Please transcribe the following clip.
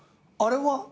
あれは？